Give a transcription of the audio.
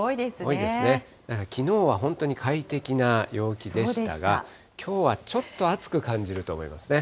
多いですね、きのうは本当に快適な陽気でしたが、きょうはちょっと暑く感じると思いますね。